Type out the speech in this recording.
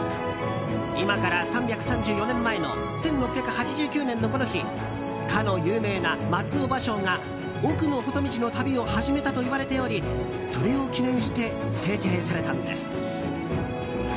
今から３３４年前の１６８９年のこの日かの有名な松尾芭蕉が「奥の細道」の旅を始めたといわれておりそれを記念して制定されたんです。